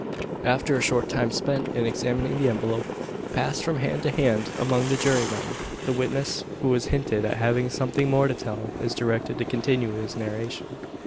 After a short time spent in examining the envelope passed from hand to hand among the jurymen the witness who has hinted at having something more to tell, is directed to continue his narration.